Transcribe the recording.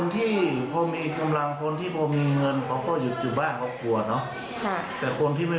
ทุกคนเรามันต้องกินต้องใช้ตั้งแต่